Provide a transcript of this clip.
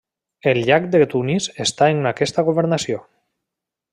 El llac de Tunis està en aquesta governació.